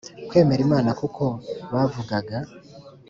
kwemera Imana kuko bavugaga